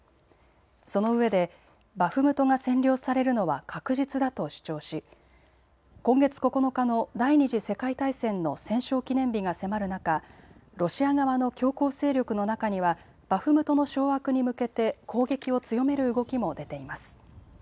そのうえでバフムトが占領されるのは確実だと主張し今月９日の第２次世界大戦の戦勝記念日が迫る中、ロシア側の強硬勢力の中にはバフムトの掌握に向けて攻撃を強める動きも出ています。